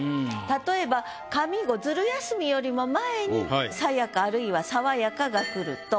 例えば上五「ズル休み」よりも前に「さやか」あるいは「さわやか」がくると。